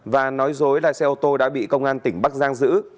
và nói dối là xe ô tô đã bị công an tỉnh bắc giang giữ